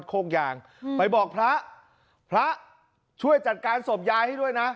โคกยางไปบอกพระพระช่วยจัดการศพยายให้ด้วยนะ